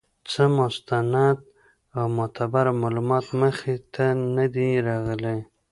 څۀ مستند او معتبر معلومات مخې ته نۀ دي راغلي